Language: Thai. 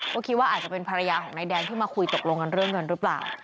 ก็คิดว่าอาจจะเป็นภรรยาของนายแดงที่มาคุยตกลงกันเรื่องเงินหรือเปล่า